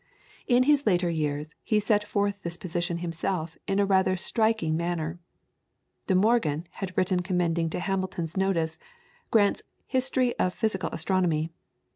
In his later years he set forth this position himself in a rather striking manner. De Morgan had written commending to Hamilton's notice Grant's "History of Physical Astronomy."